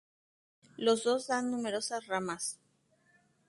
Los dos dan numerosas ramas.